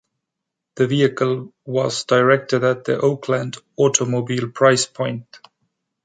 The vehicle was directed at the Oakland automobile price point.